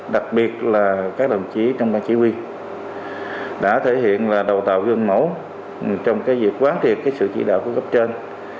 đặc biệt là các đồng chí trong đoàn chỉ huy đã thể hiện là đầu tàu gương mẫu trong cái việc quán triệt sự chỉ đạo của gấp trên